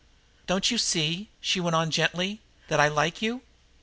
"Don't you see," she went on gently, "that I like you?